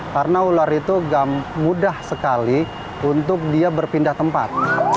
karena ular itu mudah sekali untuk dia berpindah tempat